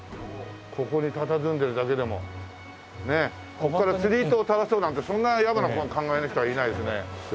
ここから釣り糸を垂らそうなんてそんなやぼな考えの人はいないですよね。